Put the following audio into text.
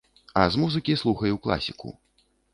А з музыкі слухаю класіку.